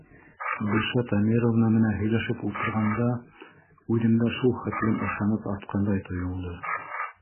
Гөлшат Әмировна менән һөйләшеп ултырғанда үҙемдә шул хәтлем ышаныс артҡандай тойолдо.